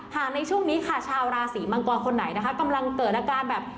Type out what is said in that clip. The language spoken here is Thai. หากในช่วงนี้ค่ะชาวราศีมังกรคนไหนนะคะกำลังเกิดอาการแบบ